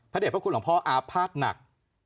เด็จพระคุณหลวงพ่ออาภาษณ์หนัก